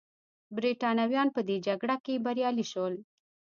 برېټانویان په دې جګړه کې بریالي شول.